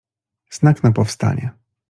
Znak na powstanie.